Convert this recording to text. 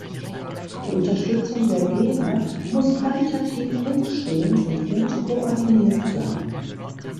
Die Unterstützung der Geber muss qualitativ hochstehend und gut koordiniert sein.